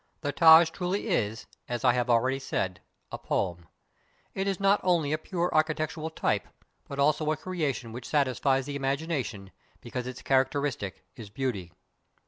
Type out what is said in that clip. The Taj truly is, as I have already said, a poem. It is not only a pure architectural type, but also a creation which satisfies the imagination, because its character istic is Beauty.